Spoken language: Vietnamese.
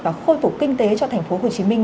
và khôi phục kinh tế cho thành phố hồ chí minh